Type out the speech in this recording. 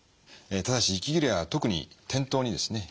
ただし息切れや特に転倒にですね